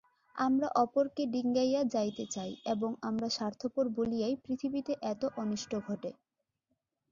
আমরা অপরকে ডিঙাইয়া যাইতে চাই এবং আমরা স্বার্থপর বলিয়াই পৃথিবীতে এত অনিষ্ট ঘটে।